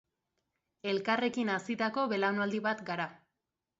Elkarrekin hazitako belaunaldi bat gara.